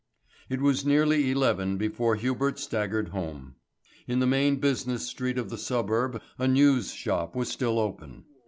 It was nearly eleven before Hubert staggered home. In the main business street of the suburb a news shop was still open.